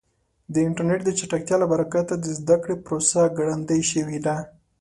د انټرنیټ د چټکتیا له برکته د زده کړې پروسه ګړندۍ شوې ده.